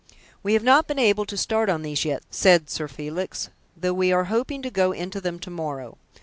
"We have not been able to start on these yet," said Sir Felix, "though we are hoping to go into them to morrow.